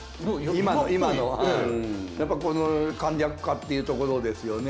今の今のはやっぱこの簡略化っていうところですよね。